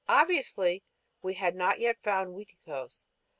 Obviously, we had not yet found Uiticos.